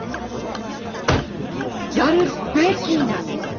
やるべきなの！？